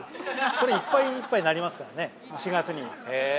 ◆これ、いっぱいいっぱいになりますからね、４月には。